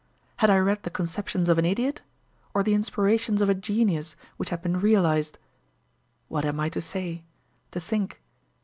Had I read the conceptions of an idiot or the inspirations of a genius which had been realized? What am I to say? to think?